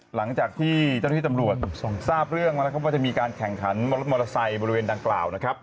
หลังจากที่เจ้าหน้าที่ตำรวจทราบเรื่องแล้วนะครับว่าจะมีการแข่งขันรถมอเตอร์ไซค์บริเวณดังกล่าวนะครับ